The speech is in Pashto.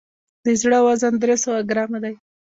د زړه وزن درې سوه ګرامه دی.